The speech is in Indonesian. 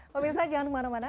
pemirsa jangan kemana mana